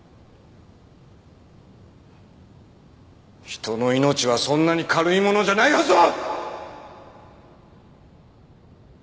人の命はそんなに軽いものじゃないはずだ！